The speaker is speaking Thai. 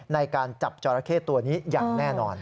ในการจับจอราเข้ตัวนี้อย่างแน่นอน